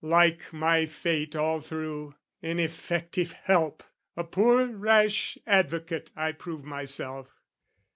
Like my fate all through, ineffective help! A poor rash advocate I prove myself.